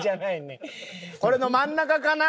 これの真ん中かな？